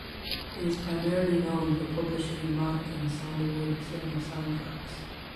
It is primarily known for publishing and marketing Sandalwood cinema sound tracks.